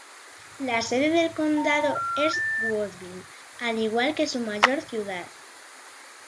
La sede del condado es Woodville, al igual que su mayor ciudad.